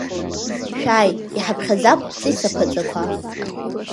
Шәааи, иҳаԥхьаӡап Ҵис аԥаҵақәа!